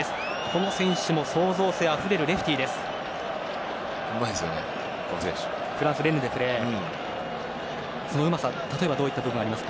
この選手も創造性あふれるレフティです。